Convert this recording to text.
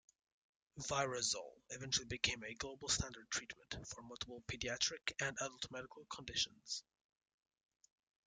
Virazole eventually became a global standard treatment for multiple pediatric and adult medical conditions.